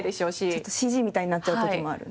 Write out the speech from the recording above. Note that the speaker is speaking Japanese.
ちょっとＣＧみたいになっちゃう時もある。